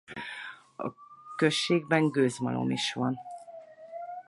A községben gőzmalom is van.